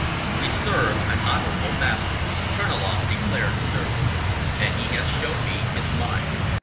"We serve an honourable master," Terniloff declared sternly, "and he has shown me his mind.